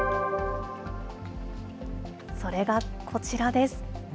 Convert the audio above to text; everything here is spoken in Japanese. それがこちらです。